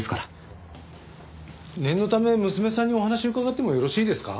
念のため娘さんにお話伺ってもよろしいですか？